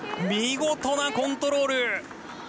見事なコントロール。